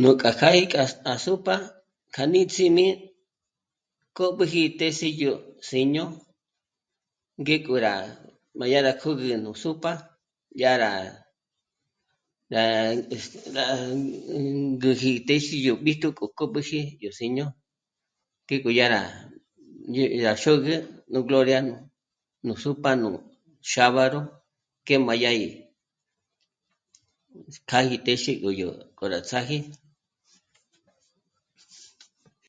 Nújkja kjá 'í à Sú'p'a k'a níts'imi k'ób'üji tési yó sí'ño ngéko rá má dyá rá kö̌gü nú Sú'p'a dyá rá... rá... este... rá... ngǘji ndéxi yó b'íjtu k'o k'ób'üji yó si'ño ngí k'o dyá rá ñé' à xôgü nú Gloria nú Sú'p'a xábaro ngé má dya 'í k'a gí téxe yó k'o rá ts'áji